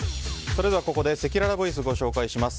それでは、ここでせきららボイスご紹介します。